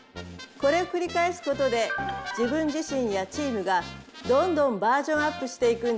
これをくり返すことで自分自身やチームがどんどんバージョンアップしていくんです。